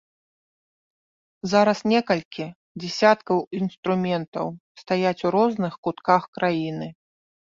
Зараз некалькі дзясяткаў інструментаў стаяць у розных кутках краіны.